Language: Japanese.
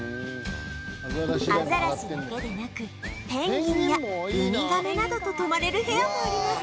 アザラシだけでなくペンギンやウミガメなどと泊まれる部屋もあります